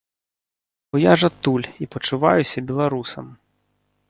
Бо я ж адтуль і пачуваюся беларусам.